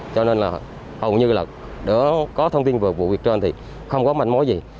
cho nên là hầu như là có thông tin về vụ việc trên thì không có mạnh mối gì